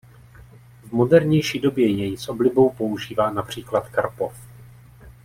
V modernější době jej s oblibou používá například Karpov.